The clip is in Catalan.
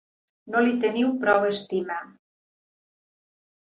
No li teniu prou estima.